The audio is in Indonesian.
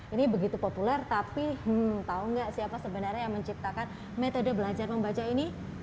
ini begitu populer tapi hmm tahu nggak siapa sebenarnya yang menciptakan metode belajar membaca ini